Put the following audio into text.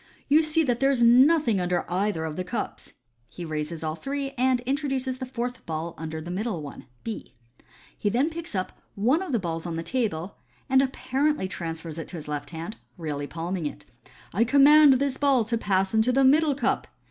u You see that there is nothing under either of the cups." He raises all three, and introduces the fourth ball under the middle one (B). He then picks up one of the balls on the table, and apparently transfers it to his left hand, really palming it. " I command this ball to pass into the middle cup.